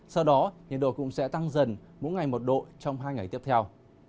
sau đó nhiệt độ cũng sẽ tăng dần mỗi ngày một độ trong hai ngày tiếp theo